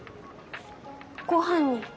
ご飯に。